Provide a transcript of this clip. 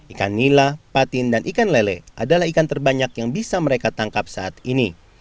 ikan nila patin dan ikan lele adalah ikan terbanyak yang bisa mereka tangkap saat ini